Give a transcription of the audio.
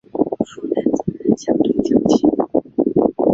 负担责任相对较轻